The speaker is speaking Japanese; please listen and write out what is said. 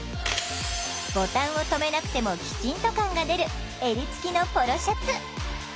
ボタンをとめなくてもきちんと感が出る襟付きのポロシャツ。